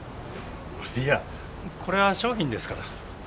いやこれは商品ですから。